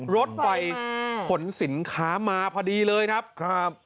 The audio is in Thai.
รถไฟขนสินค้ามาพอดีเลยครับครับ